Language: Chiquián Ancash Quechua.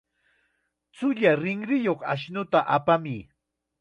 Chulla rinriyuq ashnuta apamuy.